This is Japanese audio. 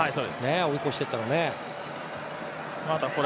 追い越していったのね。